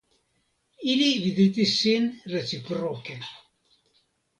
Ili vizitis sin reciproke.